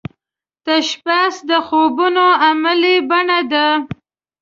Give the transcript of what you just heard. تشبث د خوبونو عملې بڼه ده